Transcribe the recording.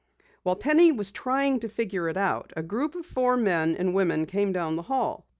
While Penny was trying to figure it out, a group of four men and women came down the hall.